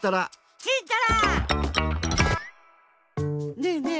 ねえねえ